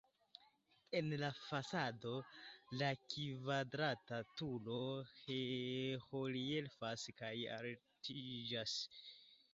En la fasado la kvadrata turo reliefas kaj altiĝas.